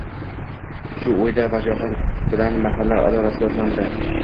Shu oʻyda vajohat bilan mahalla idorasiga otlandi.